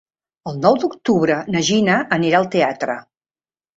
El nou d'octubre na Gina anirà al teatre.